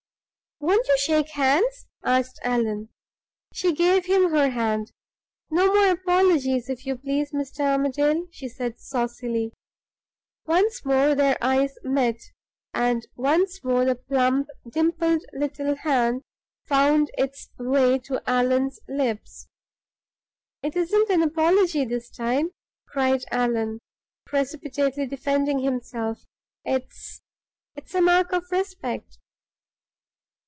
"Won't you shake hands?" asked Allan. She gave him her hand. "No more apologies, if you please, Mr. Armadale," she said, saucily. Once more their eyes met, and once more the plump, dimpled little hand found its way to Allan's lips. "It isn't an apology this time!" cried Allan, precipitately defending himself. "It's it's a mark of respect."